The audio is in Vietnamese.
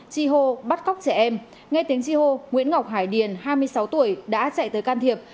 chi hô bắt cóc trẻ em nghe tiếng chi hô nguyễn ngọc hải điền hai mươi sáu tuổi đã chạy tới can thiệp